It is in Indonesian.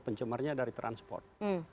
pencemarnya dari transport